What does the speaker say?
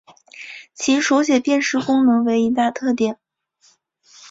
而其手写辨识功能为一大特点。